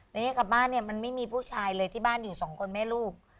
ในนี้กลับบ้านเนี่ยมันไม่มีผู้ชายเลยที่บ้านอยู่สองคนแม่ลูก